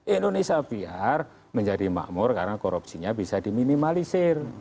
indonesia biar menjadi makmur karena korupsinya bisa diminimalisir